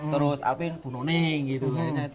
terus alvin bu noneng gitu